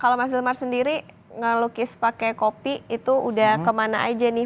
kalau mas hilmar sendiri ngelukis pakai kopi itu udah kemana aja nih